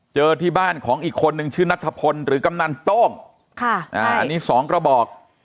เจอที่บ้านของอีกคนนึงชื่อนัทธพลหรือกำนันโต้งค่ะอ่าอันนี้สองกระบอก